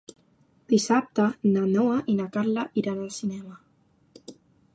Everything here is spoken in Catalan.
Dissabte na Noa i na Carla iran al cinema.